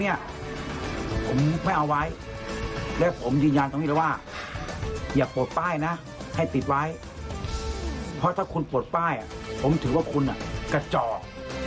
อย่าโปรดป้ายนะให้ติดไว้เพราะถ้าคุณโปรดป้ายผมถือว่าคุณกระจอก